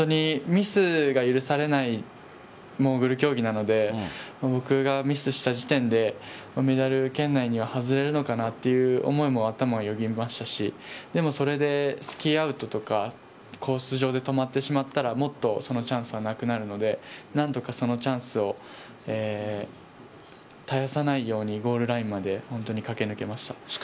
ミスが許されないモーグル競技なので僕がミスした時点でメダル圏内には外れるのかなという思いも頭をよぎりましたしそれでスキーアウトとかコース上で止まってしまったらもっとそのチャンスはなくなるので何とか、そのチャンスを絶やさないようにゴールラインまで駆け抜けました。